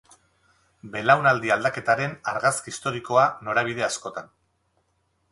Belaunaldi aldaketaren argazki historikoa norabide askotan.